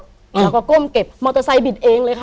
แล้วก็ก้มเก็บมอเตอร์ไซค์บิดเองเลยค่ะ